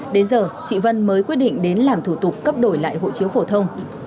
đến giờ chị vân mới quyết định đến làm thủ tục cấp đổi lại hộ chiếu phổ thông